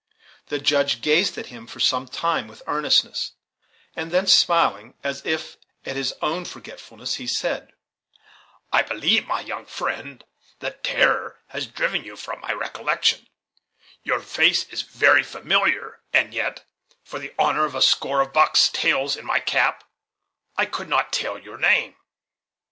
The Judge gazed at him for some time with earnestness, and then smiling, as if at his own forgetfulness, he said: "I believe, my young friend, that terror has driven you from my recollection; your face is very familiar, and yet, for the honor of a score of bucks' tails in my cap, I could not tell your name."